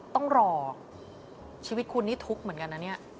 ต้องรอชีวิตคุณนี่ทุกข์เหมือนกันนะเนี่ย